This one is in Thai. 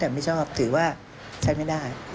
แต่ไม่ชอบถือว่าใช้ไม่ได้